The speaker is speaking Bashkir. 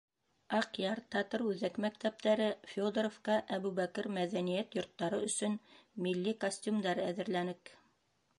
Аҡъяр, Татыр-Үҙәк мәктәптәре, Федоровка, Әбүбәкер мәҙәниәт йорттары өсөн милли костюмдар әҙерләнек.